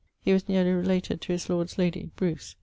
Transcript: He was neerly related to his lord's lady (Bruce).